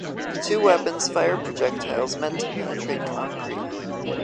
The two weapons fire projectiles meant to penetrate concrete.